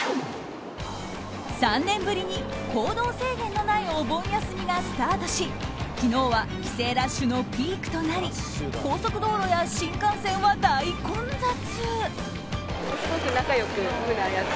３年ぶりに行動制限のないお盆休みがスタートし昨日は帰省ラッシュのピークとなり高速道路や新幹線は大混雑。